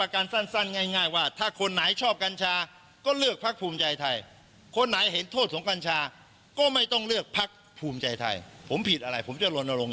กันได้ว่าในกรุงเชพเนี่ยพักภูมิใจไทยตกคะแนนไม่เกินหมื่น